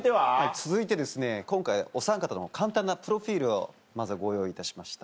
続いて今回おさん方の簡単なプロフィルをまずはご用意いたしました。